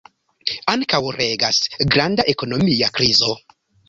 Ankaŭ regas granda ekonomia krizo.